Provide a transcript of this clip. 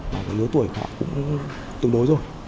và với lứa tuổi họ cũng tương đối rồi